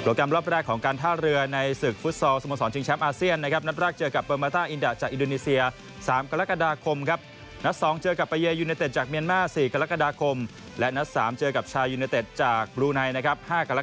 โปรดกรรมรอบแรกของการท่าเรือในศึกฟุตซอลสมสรรค์ชิงแชมป์อาเซียนนะครับ